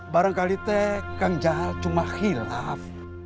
barangkali teh kang jahat cuma khilaf